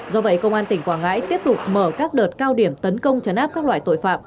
do vậy công an tỉnh quảng ngãi tiếp tục mở các đợt cao điểm tấn công chấn áp các loại tội phạm